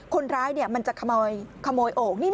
คนร้ายมันจะขโมยโอ่ง